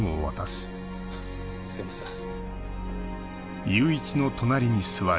すいません。